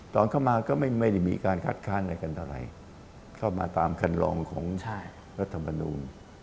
ตอนเข้ามาก็ไม่ได้มีการคัดค้านอะไรกันเท่าไหร่เข้ามาตามคันลองของรัฐมนูล